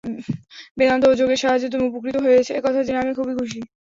বেদান্ত ও যোগের সাহায্যে তুমি উপকৃত হয়েছ, এ-কথা জেনে আমি খুবই খুশী।